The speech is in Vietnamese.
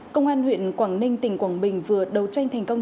công an huyện quảng ninh tỉnh quảng bình vừa đấu tranh thành công